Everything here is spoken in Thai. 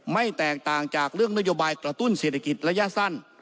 แตกต่างจากเรื่องนโยบายกระตุ้นเศรษฐกิจระยะสั้น